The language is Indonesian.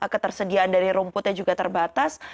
ketersediaan dari rumputnya juga terbatas